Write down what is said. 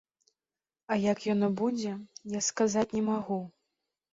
А як яно будзе, я сказаць не магу.